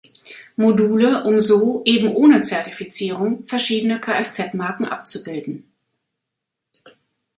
Module, um so, eben ohne Zertifizierung, verschiedene Kfz-Marken abzubilden.